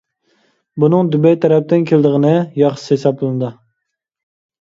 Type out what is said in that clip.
بۇنىڭ دۇبەي تەرەپتىن كېلىدىغىنى ياخشىسى ھېسابلىنىدۇ.